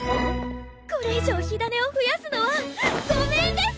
これ以上火種を増やすのはごめんです！